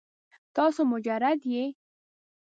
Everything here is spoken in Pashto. تاسو مجرد یې؟